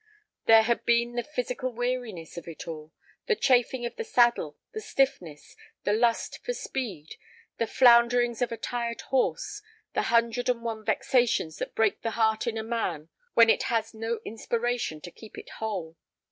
There had been the physical weariness of it all, the chafing of the saddle, the stiffness, the lust for speed, the flounderings of a tired horse, the hundred and one vexations that break the heart in a man when it has no inspiration to keep it whole.